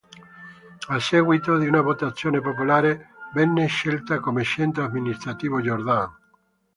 A seguito di una votazione popolare venne scelta come centro amministrativo Jordan.